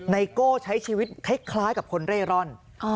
โก้ใช้ชีวิตคล้ายกับคนเร่ร่อน